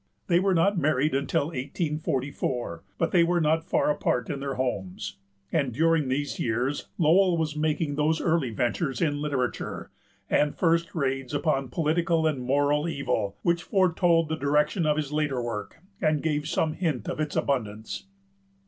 They were not married until 1844; but they were not far apart in their homes, and during these years Lowell was making those early ventures in literature, and first raids upon political and moral evil, which foretold the direction of his later work, and gave some hint of its abundance.